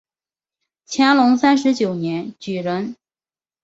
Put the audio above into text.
乾隆三十九年举人。